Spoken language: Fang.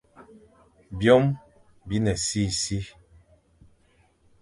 Byôm bi ne sisi,